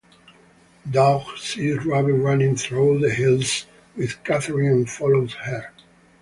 Doug sees Ruby running through the hills with Catherine and follows her.